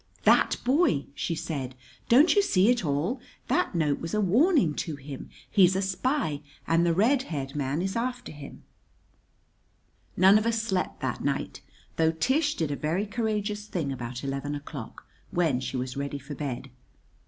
"That boy!" she said. "Don't you see it all? That note was a warning to him. He's a spy and the red haired man is after him." None of us slept that night though Tish did a very courageous thing about eleven o'clock, when she was ready for bed.